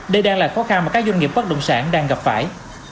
đây đang là khó khăn mà các doanh nghiệp bất động sản đang gặp phải